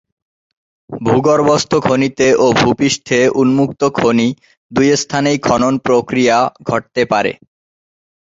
ভূ-গর্ভস্থ খনিতে ও ভূ-পৃষ্ঠে উন্মুক্ত খনি, দুই স্থানেই খনন প্রক্রিয়া ঘটতে পারে।